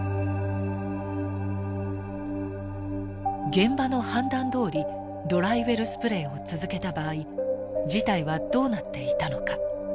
現場の判断どおりドライウェルスプレイを続けた場合事態はどうなっていたのか。